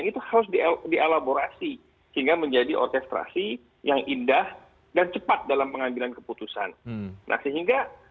terima kasih pak bung